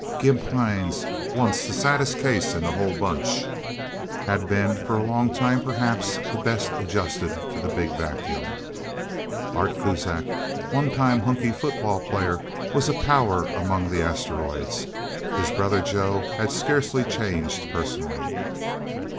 Gimp Hines, once the saddest case in the Whole Bunch, had been, for a long time, perhaps the best adjusted to the Big Vacuum. Art Kuzak, one time hunkie football player, was a power among the asteroids. His brother, Joe, had scarcely changed, personally.